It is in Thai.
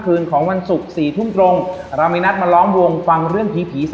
คืนของวันศุกร์๔ทุ่มตรงเรามีนัดมาล้อมวงฟังเรื่องผีผี